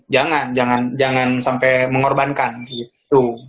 jangan jangan sampai mengorbankan gitu